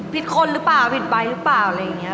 พิดคนหรือเปล่า